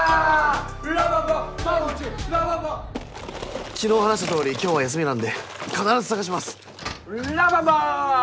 ラ・バンバマルチラ・バンバ昨日話したとおり今日は休みなんで必ず探しますラ・バンバー！